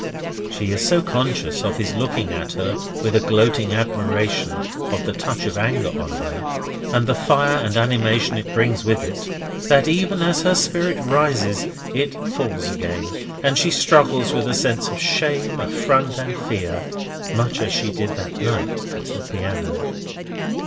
She is so conscious of his looking at her with a gloating admiration of the touch of anger on her, and the fire and animation it brings with it, that even as her spirit rises, it falls again, and she struggles with a sense of shame, affront, and fear, much as she did that night at the piano.